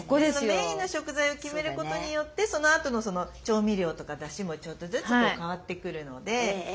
メインの食材を決めることによってそのあとの調味料とかだしもちょっとずつ変わってくるので。